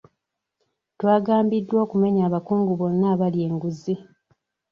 Twagambiddwa okumenya abakungu bonna abalya enguzi.